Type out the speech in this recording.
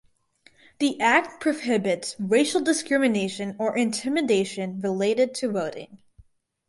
The Act prohibits racial discrimination or intimidation related to voting.